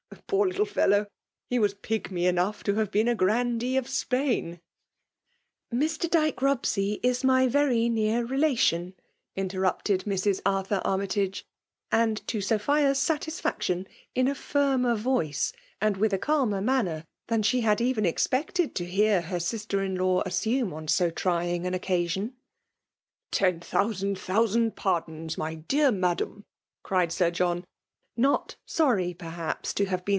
Poor little feHow ! he #as pigmy enough to have been a grandee oC Sfjiain.*' '' Mr. Dyke Bobsey is my vety near re* latSon/' interrupted Mrs. Arthur Annytago; and, to Sophia's satisfaction, in a ihriner voiced 9Mi4' '^i^ ft calmer manner, than she; had eVen expected to hear her sisf ^. in law assume* on 90 trying, aji occasion. " Ten thousand thousand pardons, my deat n^adam,'! cried Sir John, not sorry, perhAps, ib have tiepn